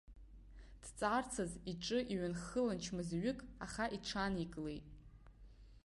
Дҵаарцаз иҿы иҩанххылан чмазаҩык, аха иҽааникылеит.